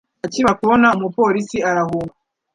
Akimara kubona umupolisi arahunga